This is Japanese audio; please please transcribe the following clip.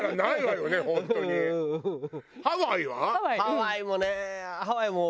ハワイもねハワイも。